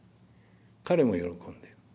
彼も喜んでる。